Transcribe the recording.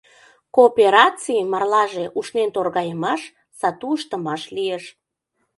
Коопераций — марлаже ушнен торгайымаш, сату ыштымаш лиеш.